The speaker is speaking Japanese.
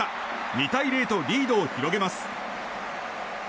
２対０とリードを広げます。